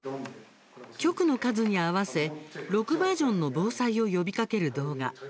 局の数に合わせ６バージョンの防災を呼びかける動画。